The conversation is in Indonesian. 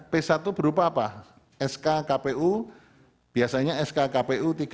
p satu berupa apa sk kpu biasanya sk kpu tiga ratus enam puluh dua ribu dua puluh empat